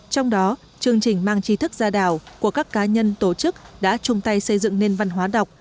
trong đó chương trình mang trí thức ra đảo của các cá nhân tổ chức đã chung tay xây dựng nền văn hóa đọc